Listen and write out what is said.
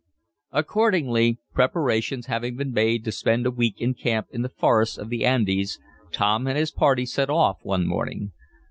Accordingly, preparations having been made to spend a week in camp in the forests of the Andes, Tom and his party set off one morning.